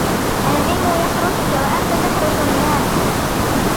الْعِلْمُ يَحْرُسُك ، وَأَنْتَ تَحْرُسُ الْمَالِ